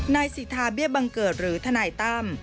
นายสิทธาเบี้ยบังเกิดหรือทนายตั้ม